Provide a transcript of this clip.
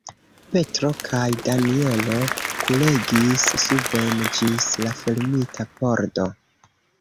Petro kaj Danjelo kuregis suben ĝis la fermita pordo.